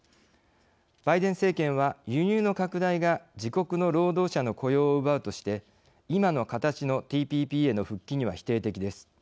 バイデン政権は輸入の拡大が自国の労働者の雇用を奪うとして今の形のＴＰＰへの復帰には否定的です。